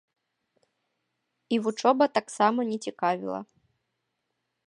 І вучоба таксама не цікавіла.